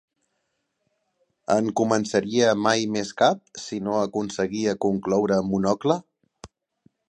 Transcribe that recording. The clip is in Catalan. ¿En començaria mai més cap, si no aconseguia concloure Monocle?